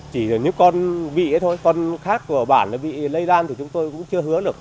chỉ nếu con vị ấy thôi con khác của bản bị lây lan thì chúng tôi cũng chưa hứa được